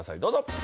どうぞ。